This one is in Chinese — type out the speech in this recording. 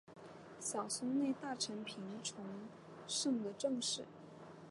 小松内大臣平重盛的正室。